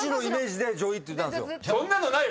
そんなのない！